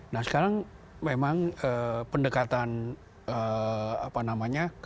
nah sekarang memang pendekatan apa namanya